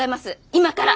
今から。